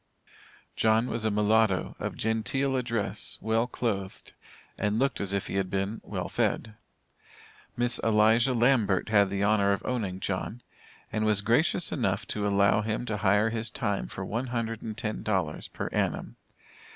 John was a mulatto, of genteel address, well clothed, and looked as if he had been "well fed." Miss Eliza Lambert had the honor of owning John, and was gracious enough to allow him to hire his time for one hundred and ten dollars per annum.